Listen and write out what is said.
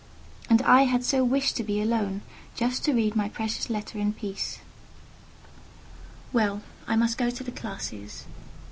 And I had so wished to be alone, just to read my precious letter in peace. Well, I must go to the classes.